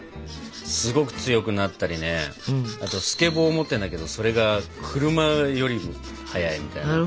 すごく強くなったりねあとスケボー持ってんだけどそれが車よりも速いみたいな。